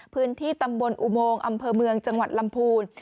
พื้นที่ตำบลอุโมงอำเภอเมืองจังหวัดลำพูน